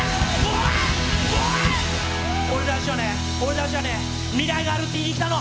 俺たちはね、俺たちはね未来があるって言いに来たの。